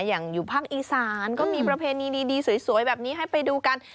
อย่างอยู่ภาคอีสานก็มีประเพณีดีสวยแบบนี้ให้ไปดูกัน